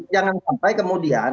jangan sampai kemudian